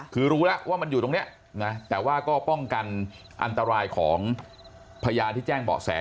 คือรู้แล้วว่ามันอยู่ตรงนี้นะแต่ว่าก็ป้องกันอันตรายของพยานที่แจ้งเบาะแส